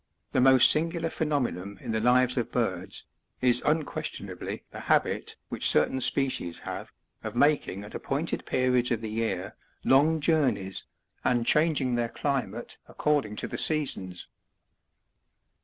The most singular phenomenon in the lives of birds, is unquestionably the habit, which certain species have, of making, at appointed [jeriods of the year, long journeys, and changing their climate according to the seasons.